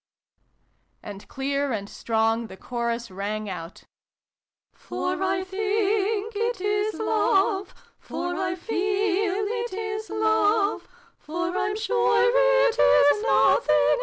And clear and strong the chorus rang out :" For I think it is Love, For I feel it is Love, For I'm sure it is nothing but Love